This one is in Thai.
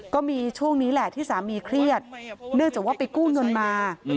ก็มีช่วงนี้แหละที่สามีเครียดเนื่องจากว่าไปกู้เงินมา